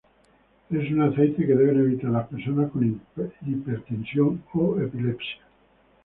Es un aceite que deben evitar las personas con hipertensión o epilepsia.